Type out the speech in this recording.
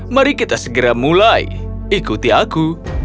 mari kita segera mulai ikuti aku